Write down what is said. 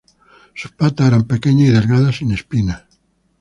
Sus patas eran pequeñas y delgadas, sin espinas.